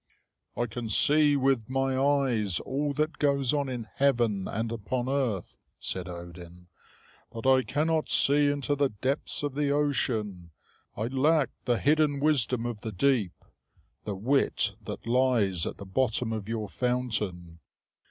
"I can see with my eyes all that goes on in heaven and upon earth," said Odin, "but I cannot see into the depths of ocean. I lack the hidden wisdom of the deep the wit that lies at the bottom of your fountain.